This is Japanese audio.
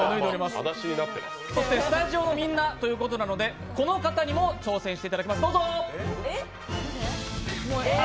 そしてスタジオのみんなということで、この方にも挑戦していただきます。